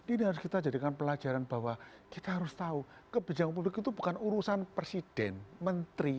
ini harus kita jadikan pelajaran bahwa kita harus tahu kebijakan publik itu bukan urusan presiden menteri